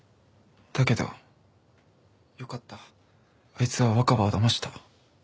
だけどあいつは若葉をだました。